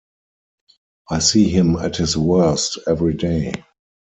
I see him at his worst every day.